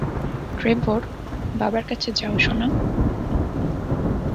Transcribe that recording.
Trevor, বাবার কাছে যাও, সোনা।